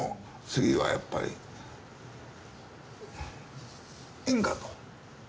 次はやっぱり円かと。